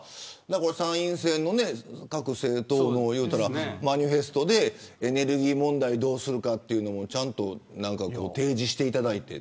参院選の各政党のマニフェストでエネルギー問題どうするかというのもちゃんと提示していただいて。